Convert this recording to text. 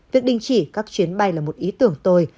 việc đình chỉ các chuyến bay là một ý tưởng tồi